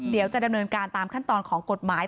เดี๋ยวจะดำเนินการตามขั้นตอนของกฎหมาย